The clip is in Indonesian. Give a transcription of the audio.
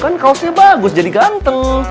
kan kaosnya bagus jadi ganteng